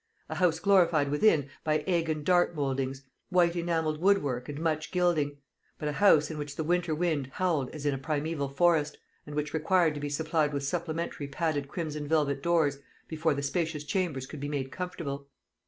A house glorified within by egg and dart mouldings, white enamelled woodwork and much gilding; but a house in which the winter wind howled as in a primeval forest, and which required to be supplied with supplementary padded crimson velvet doors before the spacious chambers could be made comfortable.